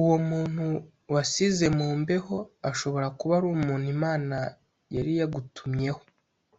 uwo muntu wasize mu mbeho ashobora kuba ari umuntu Imana yari yagutumyeho